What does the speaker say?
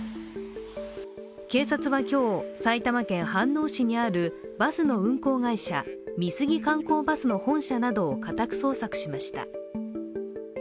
警察は今日、埼玉県飯能市にあるバスの運行会社、美杉観光バスの本社などを家宅捜索しました。